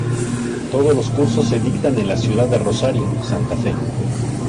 Todos los cursos se dictan en la ciudad de Rosario, Santa Fe.